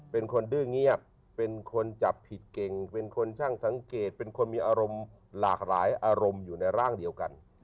เป็นคนดื้อเงียบเป็นคนจับผิดเก่งเป็นคนช่างสังเกตเป็นคนมีอารมณ์หลากหลายอารมณ์อยู่ในร่างเดียวกัน